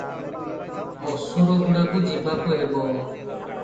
ଅସୁରଗୁଡାକୁ ଯିବାକୁ ହେବ ।